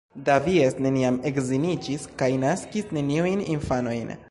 Davies neniam edziniĝis kaj naskis neniujn infanojn.